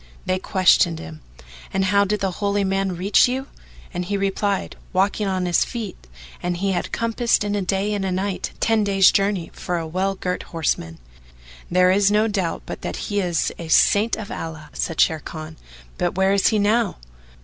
They questioned him, "And how did the Holy Man reach you?"; and he replied, "Walking on his feet and he had compassed in a day and a night, ten days' journey for a well girt horseman." "There is no doubt but that he is a Saint of Allah," said Sharrkan, "but where is he now?"